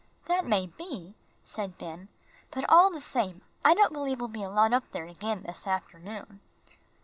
"That may be," said Ben, "but all the same I don't believe we'll be allowed up there again this afternoon."